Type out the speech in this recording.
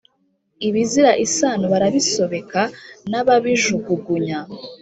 Ibizira isano barabisobeka nibabijugugunya